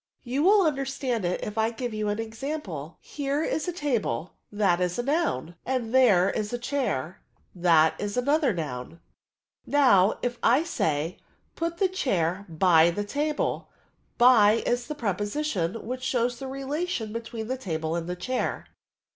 You will understand it if I gire you an example. Here is a table, that is a noun ; FREP0SITI01I9, 91 and there lb a chair, that is another noun. Now» if I asLj, 'Put the ohair by the table/ by is the preposition which shows the rektion between the table and the chair.